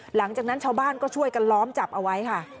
หลังจากนั้นชาวบ้านก็ช่วยกันล้อมจับเอาไว้ค่ะ